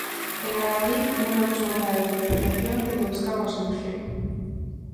En Agadic non vemos vontade de negociación nin de buscar unha solución.